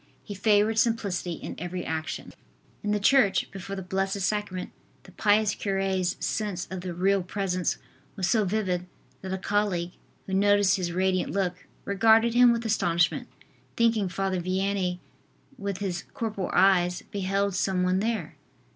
He favored simplicity in every action. In the church, before the Blessed Sacrament, the pious cure's sense of the Real Presence was so vivid that a colleague, who noticed his radiant look, regarded him with astonishment, thinking Father Vianney with his corporal eyes, beheld some one there.